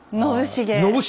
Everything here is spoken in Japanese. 信繁。